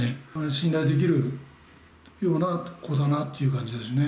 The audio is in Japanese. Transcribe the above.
信頼できるような子だなっていう感じですね。